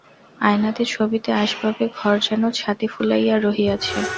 আয়নাতে, ছবিতে, আসবাবে ঘর যেন ছাতি ফুলাইয়া রহিয়াছে।